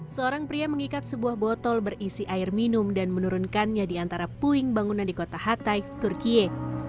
seorang pria mengikat sebuah botol berisi air minum dan menurunkannya di antara puing bangunan di kota hatay turkiye